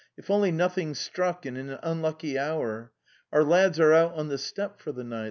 ''If only nothing's struck in an unlucky hour. Our lads are out on the steppe for the night.